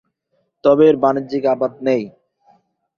তবে এর বাণিজ্যিক আবাদ নেই।